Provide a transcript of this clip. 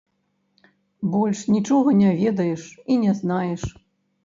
Больш нічога не ведаеш і не знаеш.